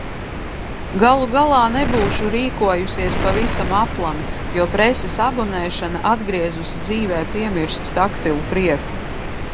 Galu galā nebūšu rīkojusies pavisam aplami, jo preses abonēšana atgriezusi dzīvē piemirstu taktilu prieku.